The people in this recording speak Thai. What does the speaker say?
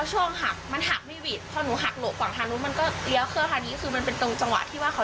หนูคิดว่าหนูไม่ได้เป็นขนาดนั้นไม่ได้ขาดการติดต่อกับอะไรนะคะ